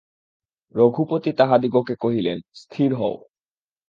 রঘুপতি তাহাদিগকে কহিলেন, স্থির হও।